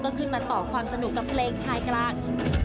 ก็ขึ้นมาต่อความสนุกกับเพลงชายกลาง